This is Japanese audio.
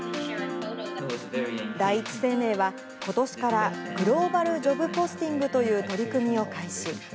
第一生命は、ことしから、グローバルジョブポスティングという取り組みを開始。